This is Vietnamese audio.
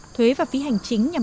thuế và phí hành chính nhằm